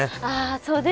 そうですね。